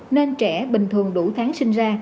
nên trẻ bình thường đủ tháng sinh ra